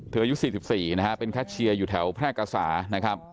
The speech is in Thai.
อายุ๔๔นะฮะเป็นแคชเชียร์อยู่แถวแพร่กษานะครับ